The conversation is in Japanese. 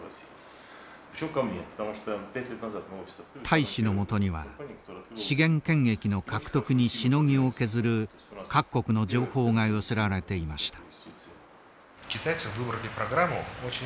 大使のもとには資源権益の獲得にしのぎを削る各国の情報が寄せられていました。